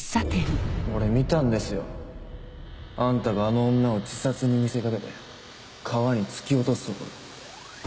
俺見たんですよ。あんたがあの女を自殺に見せかけて川に突き落とすところ。